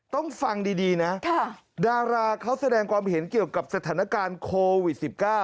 ต้องฟังดีนะดาราเขาแสดงความเห็นเกี่ยวกับสถานการณ์โควิด๑๙